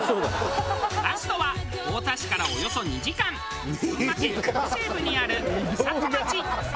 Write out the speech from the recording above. ラストは太田市からおよそ２時間群馬県北西部にある草津町。